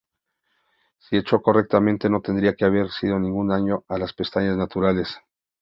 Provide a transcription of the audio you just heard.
Si hecho correctamente, no tendría que haber ningún daño a las pestañas naturales.